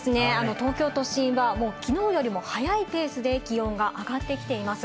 東京都心はきのうよりも早いペースで気温が上がってきています。